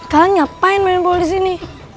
kalian ngapain mainin ball disini